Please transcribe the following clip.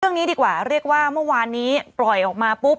เรื่องนี้ดีกว่าเรียกว่าเมื่อวานนี้ปล่อยออกมาปุ๊บ